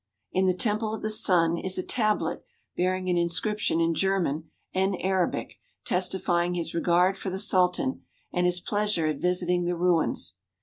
In the Temple of the Sun is a tablet bearing an inscription in German and Arabic testifying his regard for the Sultan and his pleasure at visiting the ruins.